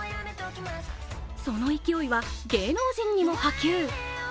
その勢いは芸能人にも波及。